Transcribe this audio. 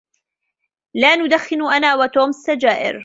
لا ندخن أنا وتوم السجائر.